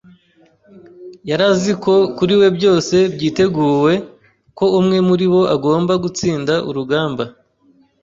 Yari azi ko kuri we byose byiteguwe, ko umwe muri bo agomba gutsinda urugamba,